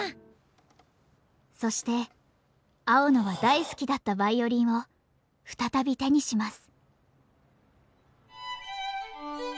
そして青野は大好きだったヴァイオリンを再び手にします。